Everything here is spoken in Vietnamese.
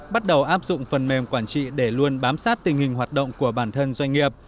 bắt đầu áp dụng phần mềm quản trị để luôn bám sát tình hình hoạt động của bản thân doanh nghiệp